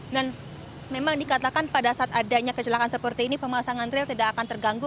dan memang dikatakan pada saat adanya kecelakaan seperti ini pemasangan rel tidak akan terganggu